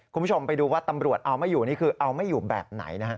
คุณผู้ชมไปดูว่าตำรวจเอาไม่อยู่นี่คือเอาไม่อยู่แบบไหนนะฮะ